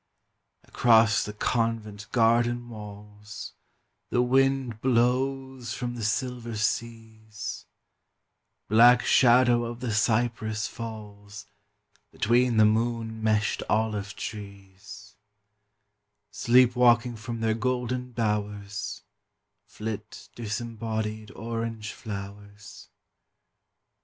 Across the convent garden walls The wind blows from the silver seas; Black shadow of the cypress falls Between the moon meshed olive trees; Sleep walking from their golden bowers, Flit disembodied orange flowers.